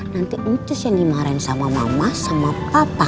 nanti utus ya nih maren sama mama sama papa